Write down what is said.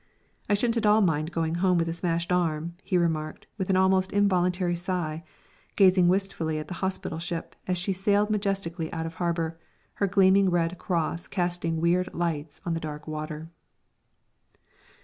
"I shouldn't at all mind going home with a smashed arm!" he remarked with an almost involuntary sigh, gazing wistfully at the hospital ship as she sailed majestically out of harbour, her gleaming red cross casting weird lights on the dark water.